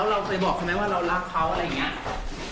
เราเคยบอกเขาไหมว่าเรารักเขาอะไรอย่างนี้